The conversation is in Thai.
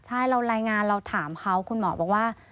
ใช่เรารายงานเราถามเขาคุณหมอบอกว่า